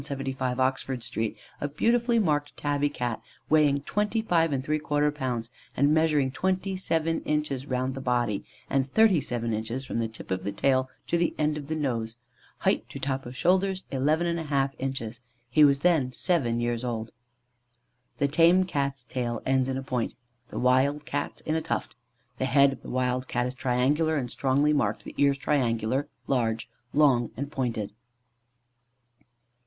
175, Oxford Street, a beautifully marked tabby Cat weighing 25¾ lbs., and measuring 27 inches round the body, and 37 inches from the tip of the tail to the end of the nose; height to top of shoulders 11½ inches: he was then seven years old. The tame Cat's tail ends in a point; the wild Cat's in a tuft. The head of the wild Cat is triangular and strongly marked, the ears triangular, large, long and pointed.